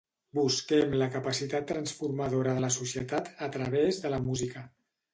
Busquem la capacitat transformadora de la societat a través de la música.